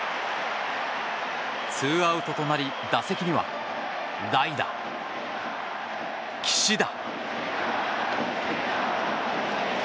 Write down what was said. ツーアウトとなり打席には代打、岸田。